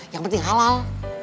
yang penting halal